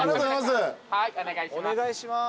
はいお願いします。